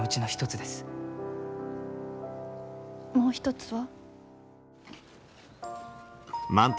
もう一つは？